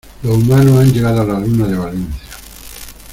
Los humanos han llegado a la Luna de Valencia.